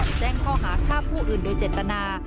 แจ้งข้อหาฆ่าผู้อื่นโดยเจตนา